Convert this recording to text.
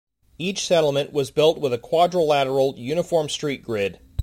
Each settlement was built with a quadrilateral, uniform street grid.